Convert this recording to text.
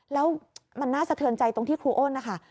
แล้วมันน่าสะเทือนใจตรงที่ครูอ้นนะคะ